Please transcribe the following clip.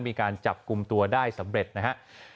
มีการจับกลุ่มตัวได้สำเร็จนะครับ